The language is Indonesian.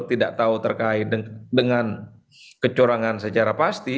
tidak tahu terkait dengan kecurangan secara pasti